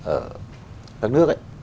ở các nước ấy